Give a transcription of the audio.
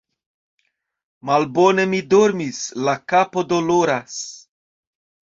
Malbone mi dormis, la kapo doloras.